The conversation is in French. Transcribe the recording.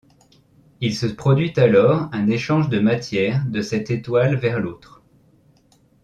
Il se produit alors un échange de matière de cette étoile vers l'autre.